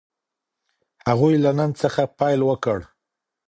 هغوی له نن څخه پيل وکړ.